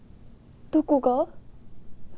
どこが？